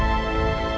terima kasih ya